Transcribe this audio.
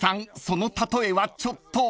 その例えはちょっと］